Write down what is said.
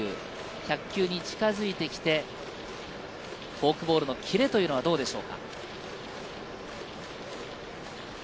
１００球に近づいてきてフォークボールのキレはどうでしょうか。